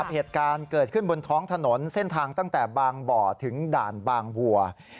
เหตุการณ์เกิดขึ้นบนท้องถนนเส้นทางตั้งแต่บางบ่อถึงด่านบางบัว